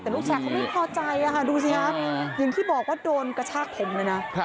แต่ลูกแชร์เขาไม่พอใจดูสิคะอย่างที่บอกว่าโดนกระชากผมเลยนะ